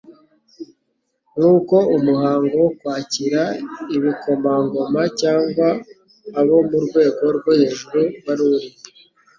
Nk'uko umuhango wo kwakira ibikomangoma cyangwa abo mu rwego rwo hejuru wari uri,